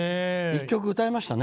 １曲歌えましたね。